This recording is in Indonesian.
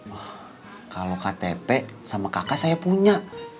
wah kalau ktp sama kakak saya punya